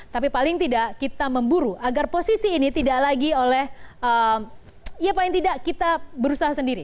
tapi paling tidak kita memburu agar posisi ini tidak lagi oleh ya paling tidak kita berusaha sendiri